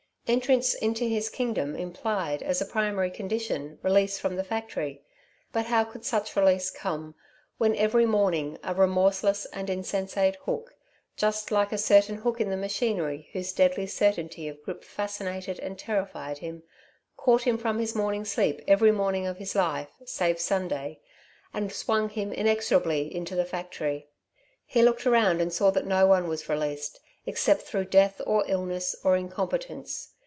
Entrance into his kingdom implied as a primary condition release from the factory. But how could such release come, when every morning a remorseless and insensate hook just like a certain hook in the machinery whose deadly certainty of grip fascinated and terrified him, caught him from his morning sleep every morning of his life, save Sunday, and swung him inexorably into the factory? He looked around and saw that no one was released, except through death or illness or incompetence.